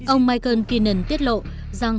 ông michael kinnan tiết lộ rằng